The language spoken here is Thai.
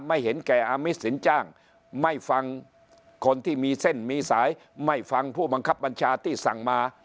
ไม่ฟังผู้บังคับบัญชาที่สั่งมา